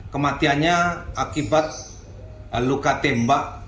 kematiannya akibat luka tembak